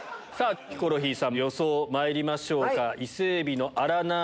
ヒコロヒーさん予想まいりましょうか。